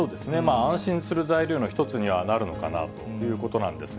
安心する材料の一つにはなるのかなということなんですが。